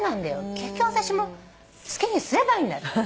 結局私も好きにすればいいんだ。